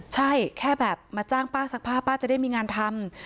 ใช่แค่แบบมาจ้างป้าซักผ้าป้าจะได้มีงานทำ